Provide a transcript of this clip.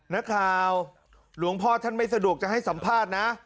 หลวงพ่อท่านไม่สะดวกจะให้สัมภาษณ์นะ